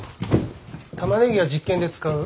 タマネギは実験で使う。